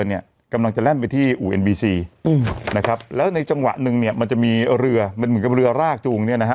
นะครับแล้วในจังหวะหนึ่งเนี้ยมันจะมีเรือมันเหมือนกับเรือรากจูงเนี้ยนะฮะ